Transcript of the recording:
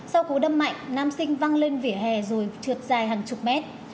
sau cú đâm mạnh nam sinh văng lên vỉa hè rồi trượt dài hàng chục mét